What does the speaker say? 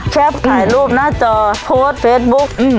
แช๊บถ่ายรูปหน้าจอโพสต์เฟซบุ๊กอืม